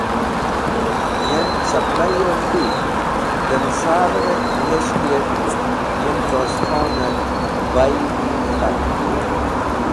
Yem cẽqalayyor k̃hũy dem sar-e ark niyes̃hti et yem Tosh Khoner bayd k̃hat.